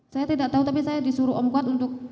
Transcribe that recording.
saya tidak tahu tapi saya disuruh om kuat untuk